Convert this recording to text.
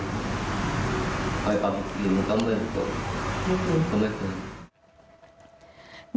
ปั๊มหรือมันก็ไม่เปิดก็ไม่เปิด